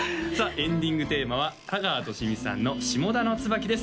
エンディングテーマは田川寿美さんの「下田の椿」です